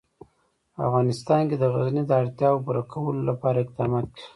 په افغانستان کې د غزني د اړتیاوو پوره کولو لپاره اقدامات کېږي.